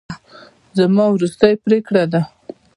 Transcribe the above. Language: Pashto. زما وروستۍ پرېکړه ده.